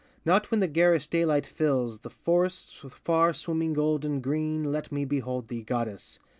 not when the garish daylight fills The forests with far swimming gold and green Let me behold thee, goddess!